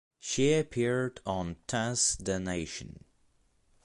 She appeared on "Test The Nation".